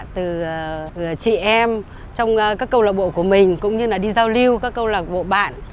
từ chị em trong các câu lạc bộ của mình cũng như đi giao lưu các câu lạc bộ bạn